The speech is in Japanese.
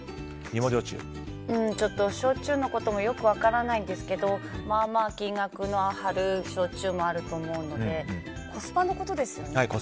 焼酎のこともよく分からないですけどまあまあ金額の張る焼酎もあると思うのでコスパのことですよね。